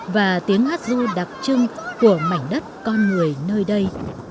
và tiếng hát du đặc trưng của mảnh đất con người nơi đây